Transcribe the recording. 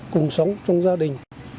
cùng sống trong gia đình